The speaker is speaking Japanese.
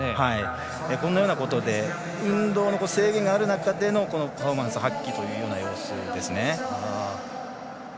こんなようなことで運動の制限がある中でのパフォーマンス発揮という様子ですね。